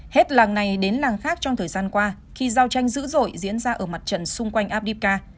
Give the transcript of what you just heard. hết làng này đến làng khác trong thời gian qua khi giao tranh dữ dội diễn ra ở mặt trận xung quanh abdica